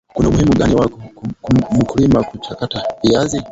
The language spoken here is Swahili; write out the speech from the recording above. kuna umuhimu gani wa mkulima kuchakata viazi